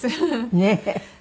ねえ。